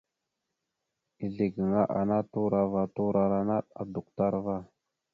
Ezle gaŋa ana turo ava turora naɗ adukətar ava.